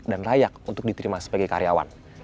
dan layak untuk diterima sebagai karyawan